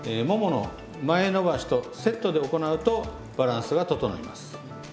ももの前伸ばしとセットで行うとバランスが整います。